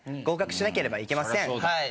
合格しなければいけません。